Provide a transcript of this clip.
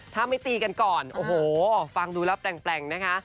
ถ้าไม่ตีกันก่อนโอ้โหฟังดูแล้วแปลงนะคะ